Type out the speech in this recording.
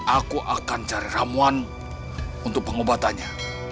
aku akan cari ramuan untuk pengobatannya